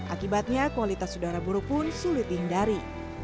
akibatnya kualitas udara buruk pun sulit dihindari